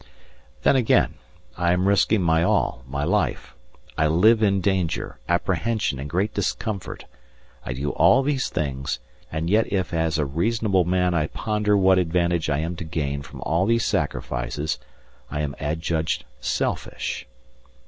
Then again, I am risking my all, my life; I live in danger, apprehension and great discomfort; I do all these things, and yet if as a reasonable man I ponder what advantage I am to gain from all these sacrifices I am adjudged selfish.